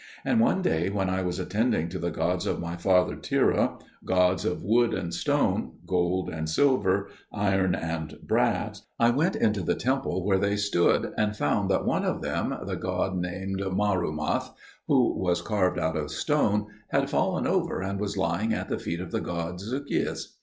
And one day when I was attending to the gods of my father Terah, gods of wood and stone, gold and silver, iron and brass, I went into the temple where they stood, and found that one of them, the god named Marumath, who was carved out of stone, had fallen over and was lying at the feet of the god Zucheus.